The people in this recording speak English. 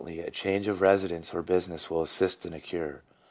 253 a change of residence or business will assist in a cure.